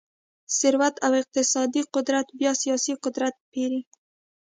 ثروت او اقتصادي قدرت بیا سیاسي قدرت پېري.